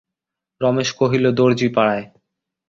রমেশ কহিল, দরজিপাড়ায়।